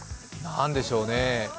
何でしょうね。